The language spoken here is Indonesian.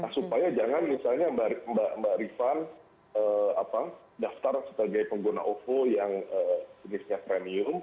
supaya jangan misalnya mbak rifan daftar sebagai pengguna ovo yang jenisnya premium